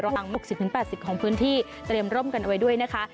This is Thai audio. ห่าง๖๐๘๐ของพื้นที่เตรียมร่มกันเอาไว้ด้วยนะคะ